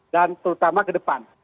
dan terutama ke depan